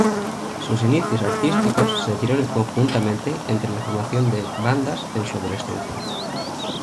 Sus inicios artísticos se dieron conjuntamente entre la formación de bandas en su adolescencia.